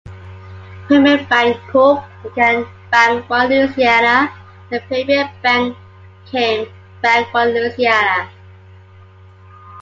Premier Bancorp became Banc One Louisiana and Premier Bank became Bank One Louisiana.